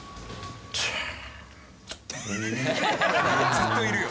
ずっといるよ。